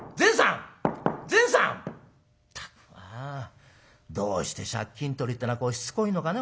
「ったくまあどうして借金取りってのはこうしつこいのかね